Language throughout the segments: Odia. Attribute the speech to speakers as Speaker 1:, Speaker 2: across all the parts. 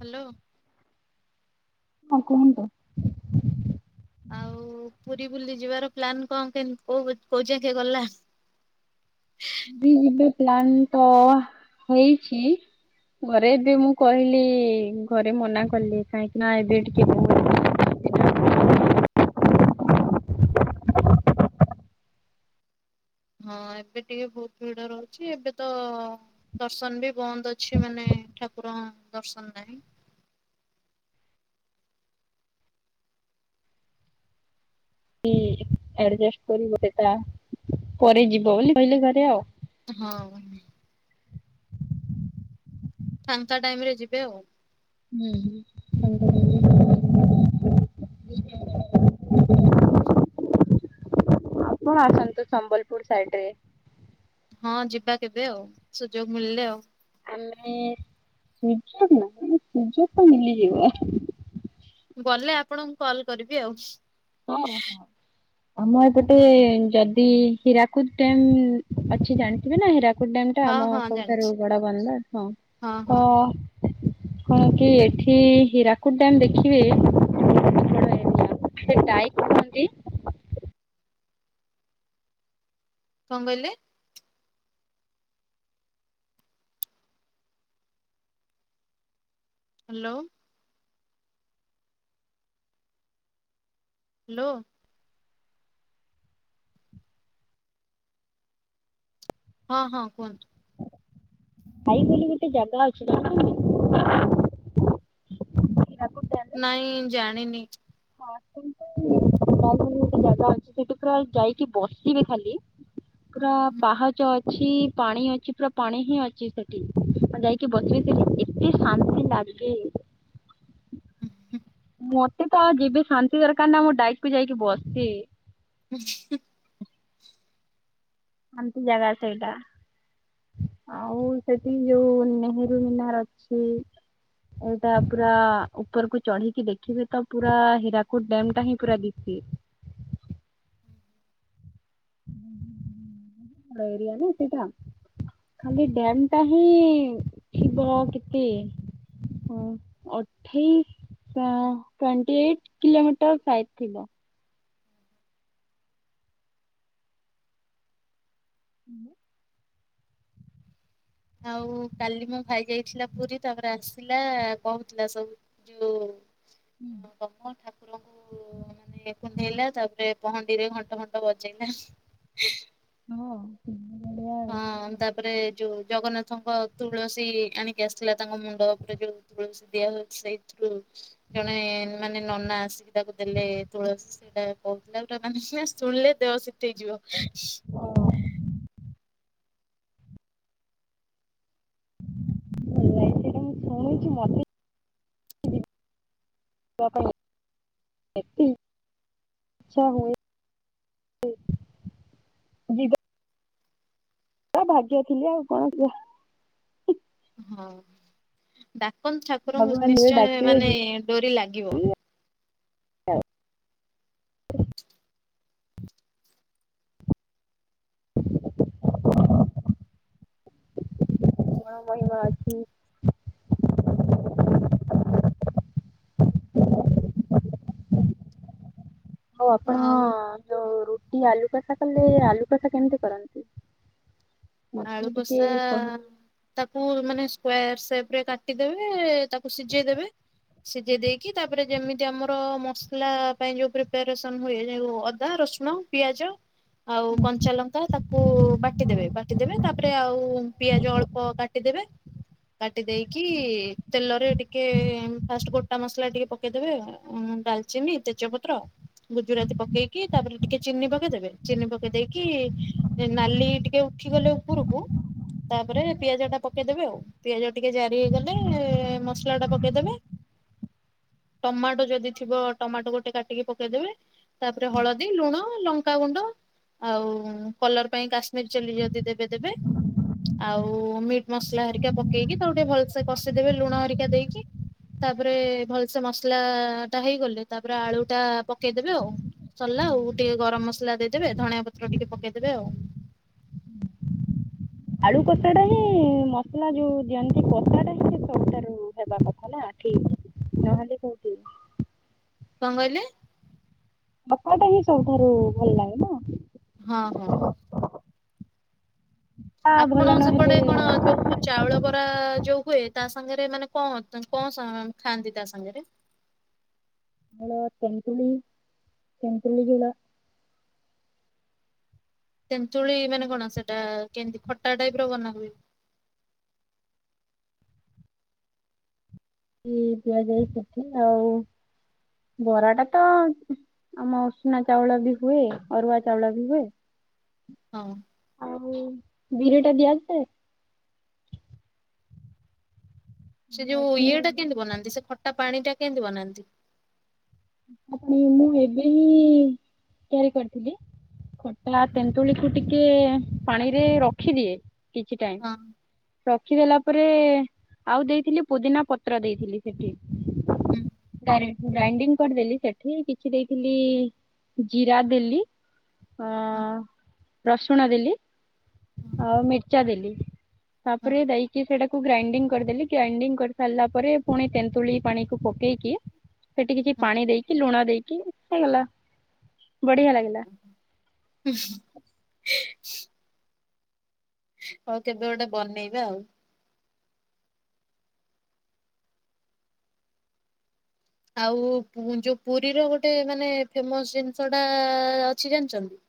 Speaker 1: ହ୍ୟାଲୋ।
Speaker 2: ହଁ କୁହନ୍ତୁ।
Speaker 1: ଆଉ ପୁରୀ ବୁଲି ଯିବାର ପ୍ଲାନ୍ କଣ କେମତି କୋଉ କୋଉ ଯାକେ ଗଲା?
Speaker 2: ପୁରୀ ଯିବା ପ୍ଲାନ୍ ତ ହେଇଛି ଘରେ ଏବେ ମୁଁ କହିଲି ଘରେ ମନା କଲେ କାହିଁକି ନା ଏବେ ଟିକେ
Speaker 1: ହଁ ଏବେ ଟିକେ ବହୁତ ଭିଡ ରହୁଛି, ଏବେ ତ ଦର୍ଶନ ବି ବନ୍ଦ ଅଛି ମାନେ ଠାକୁରଙ୍କ ଦର୍ଶନ ନାହିଁ।
Speaker 2: କି ଏଡଜଷ୍ଟ କରିବ ସେଟା ପରେ ଯିବ ବୋଲି କହିଲେ ଘରେ ଆଉ।
Speaker 1: ହଁ। ଫାଙ୍କା ଟାଇମ୍ ରେ ଯିବେ ଆଉ।
Speaker 2: ହୁଁ। ଆପଣ ଆସନ୍ତୁ ସମ୍ବଲପୁର ସାଇଡରେ।
Speaker 1: ହଁ ଯିବା କେବେ ଆଉ ସୁଯୋଗ ମିଳିଲେ ଆଉ।
Speaker 2: ଆମେ ସୁଯୋଗ ନାହିଁ ସୁଯୋଗ ତ ମିଳିଯିବ।
Speaker 1: ଗଲେ ଆପଣଙ୍କୁ କଲ୍ କରିବି ଆଉ।
Speaker 2: ହଁ ହଁ। ଆମ ଏପଟେ ଯଦି ହୀରାକୁଦ ଡ୍ୟାମ୍ ଅଛି ଜାଣିଥିବେ ନା ହୀରା କୁଦ୍ ଡ୍ୟାମଟା
Speaker 1: ହଁ
Speaker 2: ଆମ
Speaker 1: ହଁ
Speaker 2: ସବୁଠାରୁ
Speaker 1: ଜାଣିଛି।
Speaker 2: ବଡ ବନ୍ଦର ହଁ ତ କଣ କି ଏଠି ହୀରାକୁଦ୍ ଡ୍ୟାମ ଦେଖିବେ ବଡ ଏରିଆ ସେ ଟାଇପ ନୁହଁନ୍ତି।
Speaker 1: କଣ କହିଲେ? ହ୍ୟାଲୋ। ହ୍ୟାଲୋ। ହଁ ହଁ କୁହନ୍ତୁ।
Speaker 2: ଭାଇ ବୋଲି ଗୋଟେ ଜାଗା ଅଛି ଜାଣିଛନ୍ତି? ହୀରାକୁଦ
Speaker 1: ନାଇଁ ଜାଣିନି।
Speaker 2: ହଁ ଆସନ୍ତୁ [inaudible] ବୋଲି ଗୋଟେ ଜାଗା ଅଛି ସେଠି ପୁରା ଯାଇକି ବସିବେ ଖାଲି ପୁରା ପାହାଚ ଅଛି ପାଣି ଅଛି ପୁରା ପାଣି ହିଁ ଅଛି ସେଠି ଆ ଯାଇକି ବସିବେ ସେଠି ଏତେ ଶାନ୍ତି ଲାଗ କି
Speaker 1: ଉଁ ହୁଁ।
Speaker 2: ମୋତେ ତ ଯିବେ ଶାନ୍ତି ଦରକାର ନା ମୁଁ ଡାଇକ କୁ ଯାଇକି ବସେ।
Speaker 1: ହୁଁ।
Speaker 2: ଶାନ୍ତି ଜାଗା ସେଇଟା। ଆଉ ସେଠି ଯୋଉ ନେହେରୁ ମିନାର ଅଛି। ଏଇଟା ପୁରା ଉପରକୁ ଚଢିକି ଦେଖିବେ ତ ପୁରା ହୀରାକୁଦ୍ ଡ୍ୟମ୍ ଟା ହିଁ ପୁରା ଦିଶୁଛି। ଏରିଆ ନା ସେଇଟା। ଖାଲି ଡ୍ୟାମ ଟା ହିଁ ଥିବ କେତେ? ହଁ ଅଠେଇଶ ଆଁ ଟ୍ୱେଣ୍ଟୀ ଏଇଟ୍ କିଲୋମିଟର ଫାଇଭ ଥିବ। [unintelligible]
Speaker 1: ଆଉ କାଲି ମୋ ଭାଇ ଯାଇଥିଲା ପୁରୀ ତାପରେ ଆସିଲା କହୁଥିଲା ସବୁ ଯୋଉ
Speaker 2: ହୁଁ
Speaker 1: କଥା ଠାକୁରଙ୍କୁ ମାନେ କୁଣ୍ଢେଇଲା ତାପରେ ପହଣ୍ଡିରେ ଘଣ୍ଟ ଫଣ୍ଟ ବଜେଇଲା।
Speaker 2: ହଁ ସିବୁ ଭଳିଆ
Speaker 1: ହଁ ତାପରେ ଯୋଉ ଜଗନ୍ନାଥଙ୍କ ତୁଳସୀ ଆଣିକି ଆସିଥିଲା ତାଙ୍କ ମୁଣ୍ଡ ଉପରେ ଯୋଉ ତୁଳସୀ ଦିଆହୁଏ ସେଇ ତୁଳସୀ। ଜଣେ ମାନେ ନନା ଆସିକି ତାକୁ ଦେଲେ ତୁଳସୀ ସେଇଟା କହୁଥିଲା [unintelligible] ପୁରା ଶୁଣିଲେ ଦେହସି ତେଇ ଯିବ।
Speaker 2: ହଁ ସେଇଟା ମୁଁ ଶୁଣୁଛି ମତେ [unintelligible] ଆଛା ହଉ। ତା ଭାଗ୍ୟ ଥିଲେ ଆଉ କଣ କୁହ?
Speaker 1: ହଁ ଡାକନ୍ତୁ ଠାକୁରଙ୍କୁ
Speaker 2: ଭଗବାନ ଯେବେ
Speaker 1: ନିଶ୍ଚୟ
Speaker 2: ଡାକିବେ
Speaker 1: ମାନେ
Speaker 2: ଯିବା
Speaker 1: ଡୋରି ଲାଗିବ।
Speaker 2: [inaudible] ହ ମଇମା ଅଛି। ହଉ ଆପଣ
Speaker 1: ଆଉ
Speaker 2: ଯଉ ରୁଟି ଆଲୁ କଷା କଲେ ଆଲୁ କଷା କେମିତି କରନ୍ତି? ମତେ
Speaker 1: ଆଳୁ
Speaker 2: ବି ଟିକେ
Speaker 1: କଷା
Speaker 2: କହିଲେ।
Speaker 1: ତାକୁ ମାନେ ସ୍କୋୟର ସେପ ରେ କାଟିଦେବେ। ତାକୁ ସିଝେଇ ଦେବେ ସିଝେଇ ଦେଇକି ତାପରେ ଯେମିତ ଆମର ମସଲା ପାଇଁ ଯୋଉ ପ୍ରିପାରେସନ ହୁଏ ଜେଉ ଅଦା ରସୁଣ ପିଆଜ। ଆଉ କଞ୍ଚା ଲଙ୍କା ତାକୁ ବାଟିଦବେ ବାଟ ଟିଦବେ ତାପରେ ଆଉ ପିଆଜ ଅଳ୍ପ କାଟିଦେବେ। କାଟି ଦେଇକି ତେଲରେ ଟିକେ ଫାଷ୍ଟ ଗୋଟା ମସଲା ଟିକେ ପକେଇଦବେ ଆ ଡାଲ ଚିନି ତେଜପତ୍ର ଗୁଜୁରାତି ପକେଇକି ତାପରେ ଟିକେ ଚିନି ପକେଇଦେବେ ଚିନି ପକେଇ ଦେଇକି ନାଲି ଟିକେ ଉଠିଗଲେ ଉପରକୁ ତାପରେ ପିଆଜ ଟା ପକେଇଦବେ ଆଉ। ପିଆଜ ଟିକେ ଜାରି ହେଇଗଲେ ମସଲା ଟା ପକେଇଦେବେ। ଟମାଟୋ ଯଦି ଥିବ ଟମାଟୋ ଗୋଟେ କାଟିକି ପକେଇଦେବେ। ତାପରେ ହଳଦୀ ଲୁଣ ଲଙ୍କାଗୁଣ୍ଡ ଆଉ କଲର ପାଇଁ କାଶ୍ମୀର ଚାଲି ଯଦି ଦେବେ ଦେବେ। ଆଉ ମିଟ୍ ମସଲା ହେରିକା ପକେଇକି ତାକୁ ଟିକେ ଭଲସେ କଷିଦେବେ ଲୁଣ ହେରିକା ଦେଇକି। ତାପରେ ଭଲସେ ମସଲା ଟା ହେଇଗଲେ ତାପରେ ଆଳୁ ଟା ପକେଇଦବେ ଆଉ। ସରିଲା ଆଉ ଟିକେ ଗରମ ମସଲା ଦେଇଦେବେ ଧଣିଆ ପତ୍ର ଟିକେ ପକେଇଦେବେ ଆଉ।
Speaker 2: ଆଳୁ କଷା ଟା ହିଁ ମସଲା ଯୋଉ ଦିଅନ୍ତି କଷା ଟା ହିଁ ସେ ସବୁଠାରୁ ହେବା କଥା ନା ଠିକ। ନାହାନ୍ତି କହୁଚି।
Speaker 1: କଣ କହିଲେ?
Speaker 2: କଷାଟା ହିଁ ସବୁଠାରୁ ଭଲ ଲାଗେ ନ?
Speaker 1: ହଁ ହଁ
Speaker 2: ଆ ଭଲ
Speaker 1: ଆପଣଙ୍କ ସେପଟେ
Speaker 2: ନହେଲେ
Speaker 1: କଣ ଯୋଉ ଚାଉଳ ବରା ଯୋଉ ହୁଏ ତା ସାଙ୍ଗରେ ମାନେ କଣ କଣ ଖାଆନ୍ତି ତା ସାଙ୍ଗରେ?
Speaker 2: ଆ ତେନ୍ତୁଳି ତନ୍ତୁଳି ଝୁଳ।
Speaker 1: ତେନ୍ତୁଳି ମାନେ କଣ ସେଟା କେମିତି ଖଟା ଟାଇପ ର ବନା ହୁଏ?
Speaker 2: କି ଦିଆଯାଇ ସେଠି ଆଉ ବରାଟା ତ ଆମ ଉଷୁନା ଚାଉଳ ବି ହୁଏ ଅରୁଆ ଚାଉଳ ବି ହୁଏ। [unintelligible]
Speaker 1: ହଁ।
Speaker 2: ଆଉ ବିରିଟା ଦିଆଯାଏ।
Speaker 1: ସେ
Speaker 2: ଆମ
Speaker 1: ଯୋଉ ଇଏ ଟା
Speaker 2: ଏଠି
Speaker 1: କିନ୍ଦି ବନାନ୍ତି ସେ ଖଟା ପାଣି ଟା କିନ୍ଦି ବନାନ୍ତି?
Speaker 2: ଆ ମୁଁ ମୁଁ ଏବେ ହିଁ ତିଆରି କରିଥିଲି। [unintelligible] ହେଲା ତେନ୍ତୁଳିକୁ ଟିକେ ପାଣିରେ ରଖିଦିଏ କିଛି ଟାଇମ।
Speaker 1: ହଁ
Speaker 2: ରଖିଦେଲା ପରେ ଆଉ ଦେଇଥିଲି ପୁଦିନା ପତ୍ର ଦେଇଥିଲି। ସେଠି
Speaker 1: ହୁଁ
Speaker 2: [unintelligible] ଗାରେ ଗ୍ରାଇଡିଙ୍ଗ କରଦେଲି ସେଠି କିଛି ଦେଇଥିଲି ଜିରା ଦେଲି
Speaker 1: ହଁ
Speaker 2: ଉଁ ରସୁଣ ଦେଲି
Speaker 1: ହଁ।
Speaker 2: ଅ ମିର୍ଚ୍ଚା ଦେଲି
Speaker 1: ହଁ
Speaker 2: ତାପରେ ଦେଇିକି ସେଟା କୁ ଗ୍ରାଇଣ୍ଡିଙ୍ଗ କରିଦେଲି ଗ୍ରାଇଣ୍ଡିଙ୍ଗ କରି ସାରିଲା ପରେ ପୁଣି ତେନ୍ତୁଳି ପାଣିକୁ ପକେଇକି ସେଠିକି
Speaker 1: ହଁ
Speaker 2: ପାଣି ଦେଇକି ଲୁଣ ଦେଇକି, ହେଇଗଲା ବଢିଆ ଲାଗିଲା।
Speaker 1: [unintelligible] [unintelligible] ହଉ କେବେ ଗୋଟେ ବନେଇବା ଆଉ। ଆଉ ଯୋ ପୁରୀରେ ଗୋଟେ ମାନେ ଫେମସ୍ ଜିନିଷଟା ଅଛି ଜାଣିଚନ୍ତି?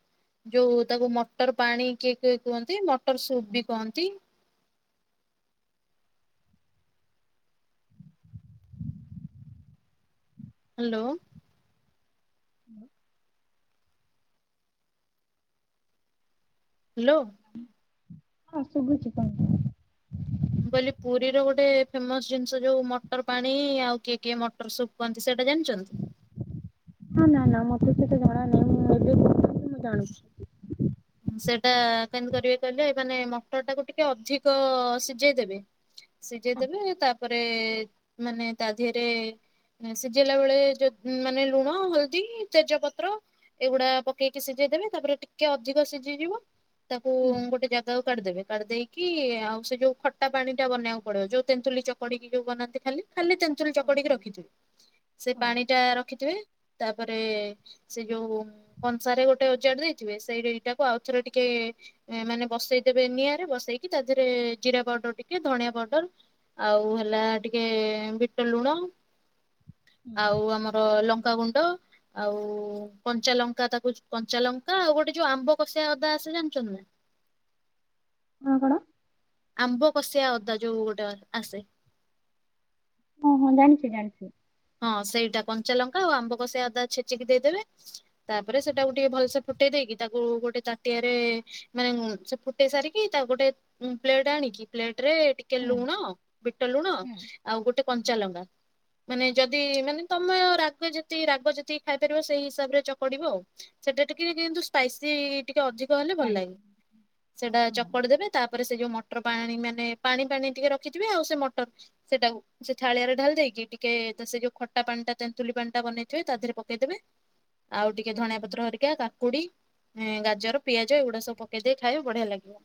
Speaker 1: ଯୋଉ ତାକୁ ମଟର୍ ପାଣି କିଏ କିଏ କୁହନ୍ତି ମଟର ସୁପ୍ ବି କୁହନ୍ତି। ହାଲୋ। ହାଲୋ।
Speaker 2: ହଁ ଶୁଭୁଚି। [unintelligible]
Speaker 1: ମୁଁ କହିଲି ପୁରୀର ଗୋଟେ ଫେମସ୍ ଜିନିଷ ଯୋଉ ମଟର ପାଣି ଆଉ କିଏ କିଏ ମଟର ସୁପ୍ କୁହନ୍ତି ସେଟା ଜାଣିଚନ୍ତ?
Speaker 2: ହା ନା ନା ମୋତେ ସେତା ଜଣା ନାହିଁ [unintelligible] ମୁଁ ଜାଣୁଛି।
Speaker 1: ସେଇଟା କେମତି କରିବେ କହିଲେ ମାନେ ମଟର ଟାକୁ ଟିକେ ଅଧିକ ସିଝେଇ ଦେବେ ସିଝେଇ ଦେବେ ତାପରେ ମାନେ ତା ଦିହରେ ଉଁ ସିଝେଇଲା ବେଳେ ଯ ମାନେ ଲୁଣ ହଳଦୀ ତେଜ ପତ୍ର ଏଗୁଡା ପକେଇକି ସିଝେଇଦେବେ ତାପରେ ଟିକେ ଅଧିକ ସିଜିଯିବ ତାକୁ
Speaker 2: ହୁଁ
Speaker 1: ଗୋଟେ ଜା ଗାକୁ କାଢିଦେବେ କାଢିଦେଇିକି ଆଉ ସେ ଯୋଉ ଖଟା ପାଣି ଟା ବନେଇବାକୁ ପଡିବ ଯୋଉ ତେନ୍ତୁଲି ଚ କଡିକି ଯୋଉ ବନାନ୍ତି ଖାଲି ଖାଲି ତେନ୍ତୁଳି
Speaker 2: ହଁ
Speaker 1: ଚକଡିକି
Speaker 2: ହଁ
Speaker 1: ରଖିଥିବେ ସେ
Speaker 2: ହଁ
Speaker 1: ପାଣି ଟା ରଖିଥିବେ ତାପରେ ସେ ଯୋଉ କଂସାରେ ଗୋଟେ ଓଜାଡି ଦେଇଥିବେ ସେଇଡି ଟାକୁ ଆଉଥରେ ଟିକେ ଏ ମାନେ ବସେଇଦେବେ ନିଆଁରେ ବସେଇକି ତା ଦେହରେ ଜିରା ପାଉଡର୍ ଟିକେ ଧଣିଆ ପାଉଡର୍ ଆଉ ହେଲା ଟିକେ ବିଟୁ ଲୁଣ
Speaker 2: ହୁଁ।
Speaker 1: ଆଉ ଆମର ଲଙ୍କାଗୁଣ୍ଡ ଆଉ କଞ୍ଚାଲଙ୍କା ତାକୁ କଞ୍ଚା ଲଙ୍କା ଆଉ ଗୋଟେ ଯୋ ଆମ୍ବ କଷିଆ ଅଦା ଆସେ ଜାଣିଚନ୍ ନା?
Speaker 2: ହଁ କଣ?
Speaker 1: ଆମ୍ବ କଷିଆ ଅଦା ଯୋଉ ଗୋଟେ ଆସେ।
Speaker 2: ଓ ହଁ ଜାଣିଛି ଜାଣିଛି।
Speaker 1: ହଁ ସେଇଟା କଞ୍ଚା ଲଙ୍କା ଆଉ ଆମ୍ବ କଷିଆ ଅଦା ଛେଚିକି ଦେଇଦେବେ। ତାପରେ ସେଟାକୁ ଟିକେ ଭଲସେ ଫୁଟେଇ ଦେଇକି ତାକୁ ଗୋଟେ ତାଟିଆରେ ମାନେ ଉଁ ସେ ଫୁଟେଇ ସାରିକି ତା ଗୋଟେ ଉ ପ୍ଲେଟ ଆଣିକି ପ୍ଲେଟରେ ଟିକେ ଲୁଣ ବିଟ ଲୁଣ ଆଉ ଗୋଟେ କଞ୍ଚା ଲଙ୍ଗା ମାନେ ଯଦି ମାନେ ତମେ ରାଗ ଯେତିକି ରାଗ ଯେତିକି ଖାଇପାରିବ ସେଇ ହିସାବରେ ଚକଡିବ ଆଉ। ସେଟା ଟିକିଏ କିନ୍ତୁ ସ୍ପାଇସି ଟିକେ ଅଧିକ ହେଲେ ଭଲ ଲାଗେ ସେଟା ଚକଡି ଦେବେ ତାପରେ ସେ ଯୋ ମ ମଟର ପାଣି ମାନେ ପାଣି ପାଣି ଟିକେ ରଖିଥିବେ ଆଉ ସେ ମଟର୍ ସେଟାକୁ ସେ ଥାଳିଆରେ ଢାଲ୍ ଦେଇକି ଟି ଟିକେ ତା ସେ ଯୋଉ ଖଟା ପାଣି ଟା ତେନ୍ତୁଲି ପାଣି ଟା ବନେଇଥିବେ ତା ଦେହରେ ପକେଇଦେବେ ଆଉ ଟିକ ଟିକେ ଧଣିଆ ପତ୍ର ହରିକା କାକୁଡି ଅ ଗାଜର ପିଆଜ ଏଗୁଡା ସବୁ ପକେଇ ଦେଇେଇ ଖାଇ ବଢିଆ ଲାଗିବ।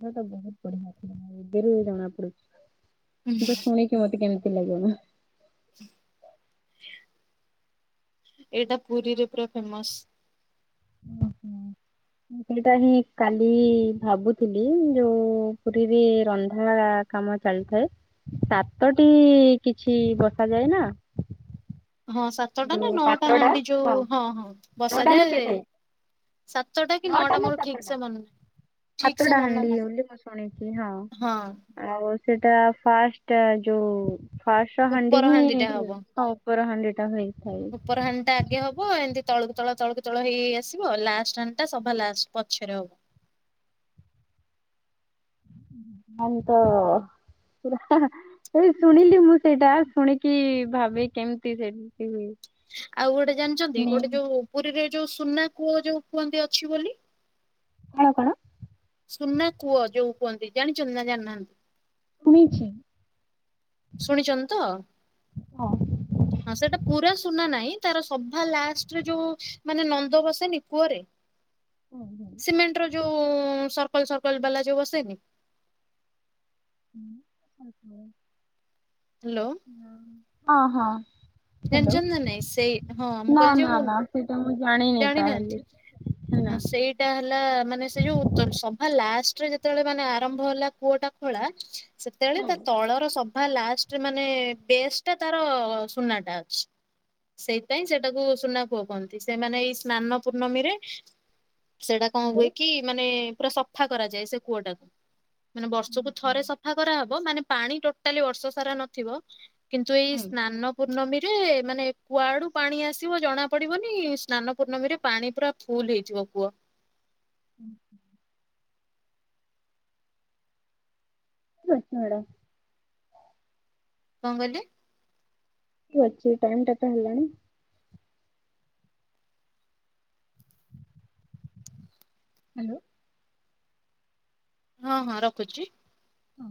Speaker 2: ତ ବହୁତ ବଢିଆଥିଲା ଏବରୁ ଜଣା ପଡୁଛି ମୁଁ ତ ଶୁଣି କି ମୋତେ କେମିତି ଲାଗିବ
Speaker 1: ଏଇଟା ପୁରୀରେ ପୁରା ଫେମସ।
Speaker 2: ଓହୋ। ମୁଁ ସେଇଟା ହିଁ କାଲି ଭାବୁଥିଲି ଯୋଉ ପୁରୀରେ ରନ୍ଧା କାମ ଚାଲିଥାଏ ସାତଟି କିଛି ବସାଯାଏ ନା।
Speaker 1: ହଁ ସାତଟା ନା ନଅଟା ହାଣ୍ଡି ଯୋଉ ହଁ ହଁ ବସାଯାଏ। ସାତଟା କି ନଅଟା ମୋ ଠିକ ସେ ମନ ନାହିଁ। ଠିକ ସେ
Speaker 2: ହାତୋଡ଼ା
Speaker 1: ମନେ
Speaker 2: ହାଣ୍ଡି
Speaker 1: ନାହିଁ
Speaker 2: ବୋଲି ମୁଁ ଶୁଣିଥିଲି ହଁ। ଆଉ ସେଟା ଫାଷ୍ଟ ଯୋଉ ଫାଷ୍ଟ ହାଣ୍ଡି
Speaker 1: ଉପର
Speaker 2: ହିଁ
Speaker 1: ଟା ହବ।
Speaker 2: ଉପର୍ ହାଣ୍ଡେଟା ହେଇଥାଏ।
Speaker 1: ଅପର ହାଣ୍ଡିଟା ଆଗେ ହବ ଏମିତି ତଳକୁ ତଳ ତଳକୁ ତଳ ହେଇ ହେଇ ଆସିବ ଲାଷ୍ଟ ହାଣ୍ଡିଟା ସଭା ଲାଷ୍ଟ ପଛରେ ହବ।
Speaker 2: ମ ତ ହଁ ହଁ। ଏଇ ଶୁଣିଲି ମୁଁ ସେଇଟା ଶୁଣିକି ଭାବେ କେମିତି ସେ ହୁଏ।
Speaker 1: ଆଉ ଗୋଟେ ଜାଣିଛନ୍ତି ଗୋଟେ ଯୋଉ ପୁରୀରେ ଯୋଉ ସୁନା କୂଅ ଯୋଉ କୁହନ୍ତି ଅଛି ବୋଲି।
Speaker 2: କଣ କଣ?
Speaker 1: ସୁନା କୂଅ ଯୋଉ କୁହନ୍ତି ଜାଣିଛନ୍ତି ନା ଜାଣିନାହାନ୍ତି।
Speaker 2: ଶୁଣିଛି।
Speaker 1: ଶୁଣିଛନ୍ତି ତ। ହଁ ସେଇଟା ପୁରା ସୁନା ନାହିଁ ତାର ସଭା ଲାଷ୍ଟରେ ଯୋଉ ମାନେ ନନ୍ଦ ବସେନି କୂଅରେ ସିମେଣ୍ଟ ର ଯୋଉ ସର୍କଲ ସର୍କଲ ବାଲା ଯୋଉ ବସେନି।
Speaker 2: [unintelligible]
Speaker 1: ହ୍ୟାଲୋ।
Speaker 2: ହଁ ହଁ। ହ୍ୟାଲୋ।
Speaker 1: ଜାଣିଛନ୍ତି ନା ନାଇଁ ସେଇ ହଁ ମୁଁ
Speaker 2: ନା
Speaker 1: କହିଲି
Speaker 2: ନା
Speaker 1: ଯୋଉ
Speaker 2: ନା ସେଇଟା ମୁଁ ଜାଣି
Speaker 1: ଜାଣିନାହାନ୍ତି ସେଇ ସେଟା ହେଲା ମାନେ ସେ ଯୋଉ ତ ସଭା ଲାଷ୍ଟରେ ଯେତେବେଳେ ମାନେ ଆରମ୍ଭ ହେଲା କୂଅଟା ଖୋଳା। ସେତେବେଳେ ତା ତଳର ସଭା ଲାଷ୍ଟରେ ମାନେ ବେଶ ଟା ତାର ସୁନା ଟା ଅଛି। ସେଇପାଇଁ ସେଟାକୁ ସୁନା କୂଅ କୁହନ୍ତି। ସେମାନେ ଏଇ ସ୍ନାନ ପୂର୍ଣ୍ଣମୀରେ ସେଇଟା କଣ ହୁଏ
Speaker 2: ହ୍ୟାଲୋ।
Speaker 1: କି ମାନେ ପୁରା ସ ଫା କରାଯାଏ ସେ କୂଅଟାକୁ ମାନେ ବର୍ଷକୁ ଥରେ ସ ସଫା କରାହବ ମାନେ ପାଣି ଟୋଟାଲି ବର୍ଷ ସାରା ନଥିବ କିନ୍ତୁ ଏଇ ସ୍ନାନ ପୂର୍ଣ୍ଣମୀ ଯେ ମାନେ କୁଆଡୁ ପାଣି ଆସିବ ଜଣା ପଡିବନି। ସ୍ନାନ ପୂର୍ଣ୍ଣମୀ ରେ ପାଣି ପୁରା ଫୁଲ ହେଇଯିବ କୂଅ।
Speaker 2: ହୁଁ। [unintelligible]
Speaker 1: କଣ କହିଲେ?
Speaker 2: ଅଛି ଟାଇମ ଟାଇମ ତ ହେଲାଣି। ହ୍ୟାଲୋ।
Speaker 1: ହଁ ହଁ ରଖୁଛି।
Speaker 2: ହଁ।